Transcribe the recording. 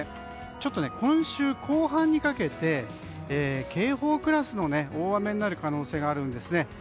ちょっと今週後半にかけて警報クラスの大雨になる可能性があるんです。